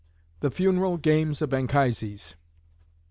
THE FUNERAL GAMES OF ANCHISES.